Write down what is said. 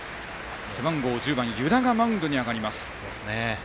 背番号１０番の湯田がマウンドに上がります。